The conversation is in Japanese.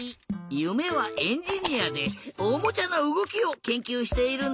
ゆめはエンジニアでおもちゃのうごきをけんきゅうしているんだって！